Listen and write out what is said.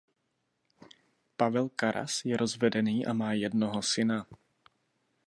Pavel Karas je rozvedený a má jednoho syna.